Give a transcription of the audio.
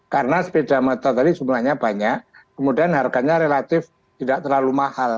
karena sepeda motor tadi jumlahnya banyak kemudian harganya relatif tidak terlalu mahal